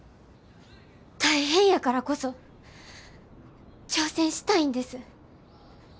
大変やからこそ挑戦したいんです。